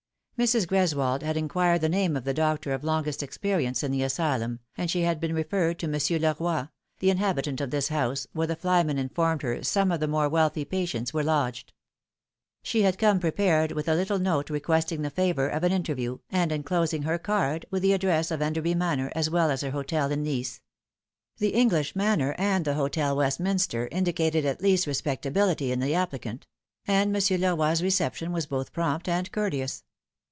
Mrs. Greswold had inquired the name of the doctor of longest experience in the asylum, and she had been referred to Monsieur Leroy, the inhabitant of this house, where the flyman informed her some of the more wealthy patients were lodged. She had come prepared with a little note requesting the favour of a a interview, and enclosing her card, with the address of Enderby Manor aa well as her hotel in Nice. The English manor and the HOtel Westminster indicated at least respectability in the Looking Sack. 245 applicant ; and Monsieur Leroy's reception was both prompt and courteous.